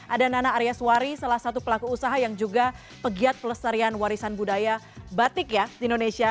ada nana arya suwari salah satu pelaku usaha yang juga pegiat pelestarian warisan budaya batik ya di indonesia